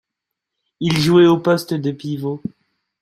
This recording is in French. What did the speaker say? Il jouait au poste de pivot.